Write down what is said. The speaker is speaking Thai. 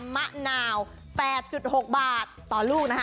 มะนาว๘๖บาทต่อลูกนะคะ